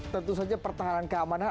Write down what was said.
tentu saja pertahanan keamanan